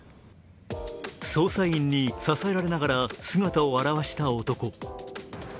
捜査員に支えられながら姿を現した男。